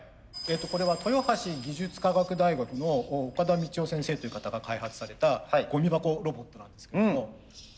これは豊橋技術科学大学の岡田美智男先生という方が開発されたゴミ箱ロボットなんですけども。